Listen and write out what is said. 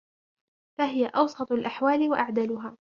فَهِيَ أَوْسَطُ الْأَحْوَالِ وَأَعْدَلُهَا